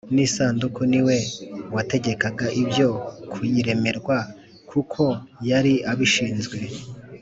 N’isanduku ni we wategekaga ibyo kuyiremerwa kuko yari abishinzwe